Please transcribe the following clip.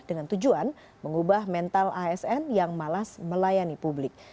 dengan tujuan mengubah mental asn yang malas melayani publik